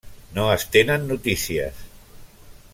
No es tenen notícies.